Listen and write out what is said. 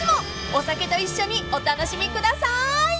お酒と一緒にお楽しみください］